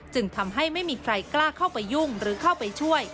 จึงทำให้ไม่มีใครกล้าเข้าไปยุ่งหรือเข้าไปช่วย